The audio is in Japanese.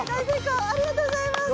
ありがとうございます！